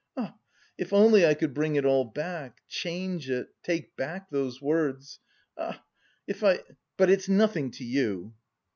Ah, if only I could bring it all back, change it, take back those words! Ah, if I... but it's nothing to you!"